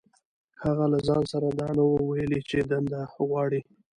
هغه له ځان سره دا نه وو ويلي چې دنده غواړي.